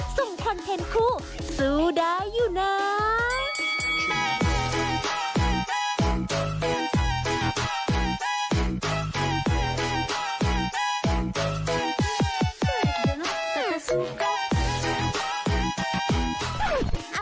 ส่งคอนเทนต์คู่สู้ได้อยู่นะ